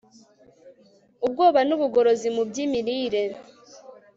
ubwoba nubugorozi mu byimirire